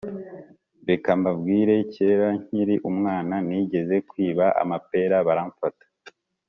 Reka mbabwire kera nkiri umwana nigeze kwiba amapera baramfata